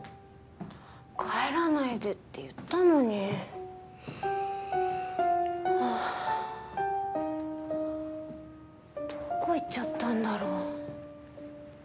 帰らないでって言ったのにはあどこ行っちゃったんだろう？